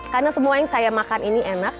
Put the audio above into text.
karena semua yang saya makan ini enak